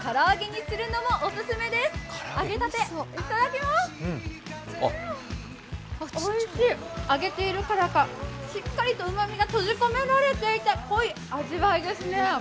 揚げているからか、しっかりとうまみが閉じ込められていて濃い味わいですね。